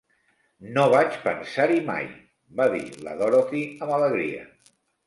"No vaig pensar-hi mai!", va dir la Dorothy amb alegria.